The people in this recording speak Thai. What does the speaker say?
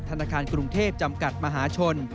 ธนาคารกรุงเทพจำกัดมหาชน